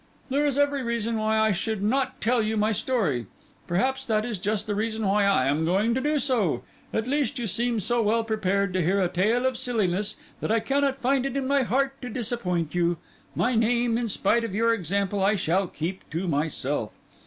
"There is every reason why I should not tell you my story. Perhaps that is just the reason why I am going to do so. At least, you seem so well prepared to hear a tale of silliness that I cannot find it in my heart to disappoint you. My name, in spite of your example, I shall keep to myself.